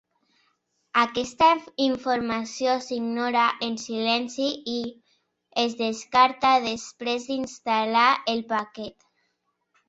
Aquesta informació s'ignora en silenci i es descarta després d'instal·lar el paquet.